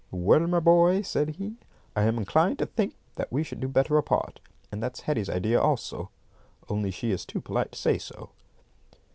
"Well, my boy," said he, "I am inclined myself to think that we should do better apart; and that's Hetty's idea also, only she is too polite to say so."